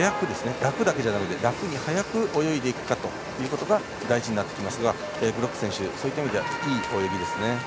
楽だけじゃだめで楽に速く泳いでいくかが大事になってきますがグロック選手はそういった意味ではいい泳ぎです。